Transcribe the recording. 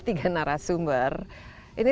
tiga narasumber ini